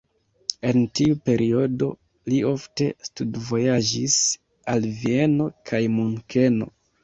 En tiu periodo li ofte studvojaĝis al Vieno kaj Munkeno.